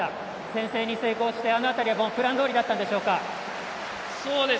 先制に成功してあの辺りはプランどおりだったんでしょうか。